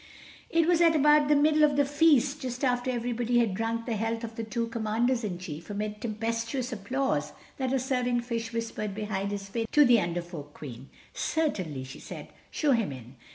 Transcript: It was at about the middle of the feast, just after everybody had drunk the health of the two Commanders in Chief, amid tempestuous applause, that a serving fish whispered behind his fin to the Under Folk Queen: "Certainly," she said, "show him in."